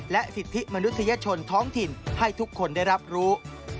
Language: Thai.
สิทธิมนุษยชนท้องถิ่นให้ทุกคนได้รับรู้